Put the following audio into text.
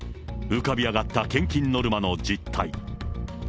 浮かび上がった献金ノルマの実態。